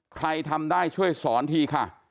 ใครทำได้ช่วยสอนทีค่ะ